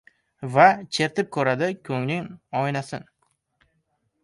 Va chertib ko‘radi ko‘nglim oynasin